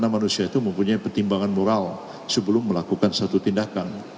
karena manusia itu mempunyai pertimbangan moral sebelum melakukan satu tindakan